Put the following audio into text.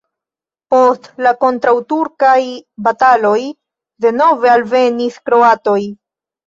Post la kontraŭturkaj bataloj denove alvenis kroatoj.